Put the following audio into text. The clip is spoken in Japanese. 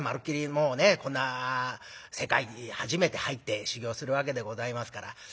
もうねこんな世界に初めて入って修業するわけでございますから。